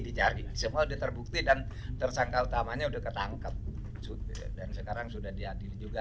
dicari semua diterbukti dan tersangka utamanya udah ketangkep dan sekarang sudah diadil juga